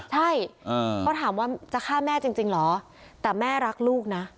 ใช่เขาถามว่าจะฆ่าแม่จริงเหรอแต่แม่รักลูกนะ